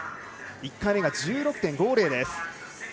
１回目が１６．５０です。